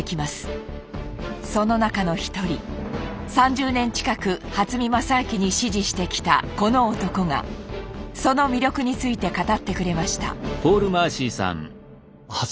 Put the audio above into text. その中の一人３０年近く初見良昭に師事してきたこの男がその魅力について語ってくれました。